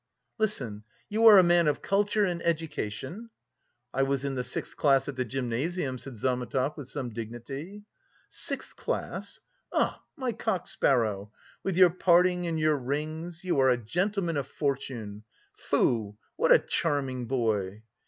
"Listen, you are a man of culture and education?" "I was in the sixth class at the gymnasium," said Zametov with some dignity. "Sixth class! Ah, my cock sparrow! With your parting and your rings you are a gentleman of fortune. Foo! what a charming boy!"